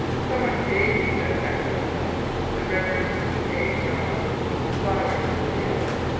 Some one gave me that excellent book, the Rev. C. A. Johns' "Flowers of the Field."